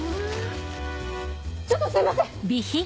ちょっとすいません！